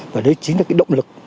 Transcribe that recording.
và đấy chính là cái động lực